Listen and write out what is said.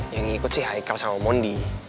yang ikut sih haikal sama mondi